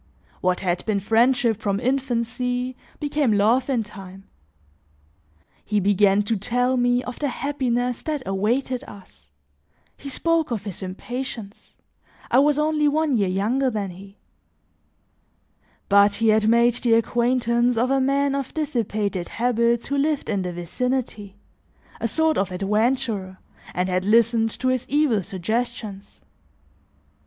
What had been friendship from infancy, became love in time. He began to tell me of the happiness that awaited us; he spoke of his impatience, I was only one year younger than he; but he had made the acquaintance of a man of dissipated habits who lived in the vicinity, a sort of adventurer, and had listened to his evil suggestions.